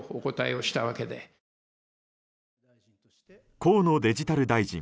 河野デジタル大臣。